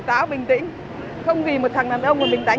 tao không có tiền chồng mày